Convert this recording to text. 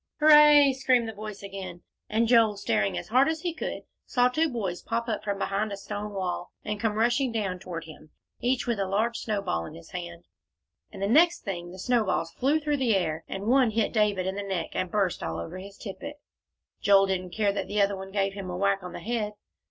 "Hooray!" screamed the voice again, and Joel, staring as hard as he could, saw two boys pop up from behind a stone wall, and come rushing down toward him, each with a large snowball in his hand. And the next thing, the snowballs flew through the air, and one hit David in the neck, and burst all over his tippet. Joel didn't care that the other one gave him a whack on the head.